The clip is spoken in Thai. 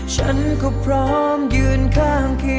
ฉันก็พร้อมยืนข้างคิดว่า